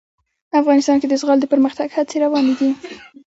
افغانستان کې د زغال د پرمختګ هڅې روانې دي.